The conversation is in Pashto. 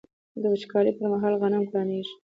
د وچکالۍ پر مهال غنم ګرانیږي.